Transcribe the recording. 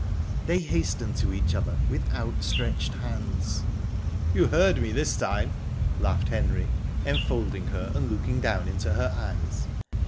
They hastened to each other with outstretched hands. "You heard me this time?" laughed Henry, enfolding her and looking down into her eyes.